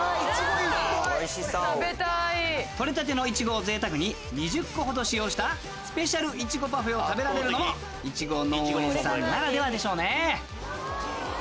採れたてのいちごをぜいたくに２０個ほど使用したスペシャルイチゴパフェを食べられるのもいちご農園さんならではでしょうね。